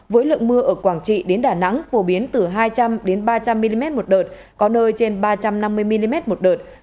với lượng mưa ở quảng trị đến đà nẵng phổ biến từ hai trăm linh ba trăm linh mm một đợt có nơi trên ba trăm năm mươi mm một đợt